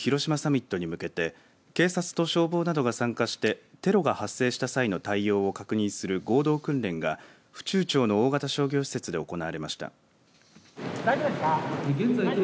来年５月のＧ７広島サミットに向けて警察と消防などが参加してテロが発生した際の対応を確認する合同訓練が府中町の大型商業施設で行われました。